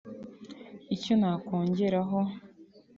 icyo nakongeraho